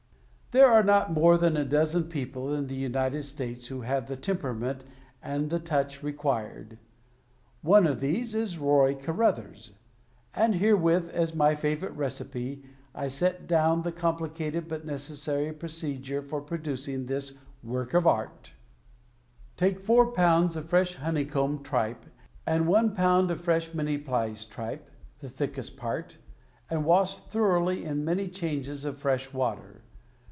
There are not more than a dozen people in the United States vpho have the temperament and the touch required. One of these is Roy Carruthers. And herewith, as my favorite recipe, I set dow^n the complicated but necessary, procedure for producing this work of art: Take four pounds of fresh honeycomb tripe and one pound of fresh manyplies tripe (the thickest part) and vrash thoroughly in many changes of fresh water.